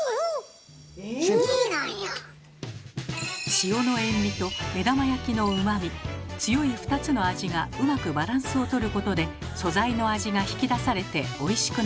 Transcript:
塩の塩味と目玉焼きのうまみ強い２つの味がうまくバランスを取ることで素材の味が引き出されておいしくなるそうです。